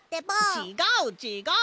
ちがうちがう！